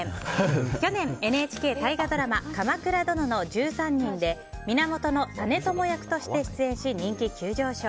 去年、ＮＨＫ大河ドラマ「鎌倉殿の１３人」で源実朝役として出演し人気急上昇。